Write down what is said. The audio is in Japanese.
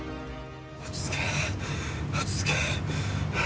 落ち着け、落ち着け。